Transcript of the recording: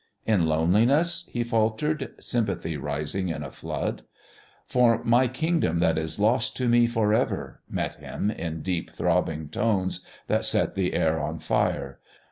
"In loneliness?" he faltered, sympathy rising in a flood. "For my Kingdom that is lost to me for ever," met him in deep, throbbing tones that set the air on fire.